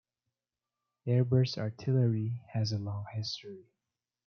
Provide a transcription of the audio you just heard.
Air burst artillery has a long history.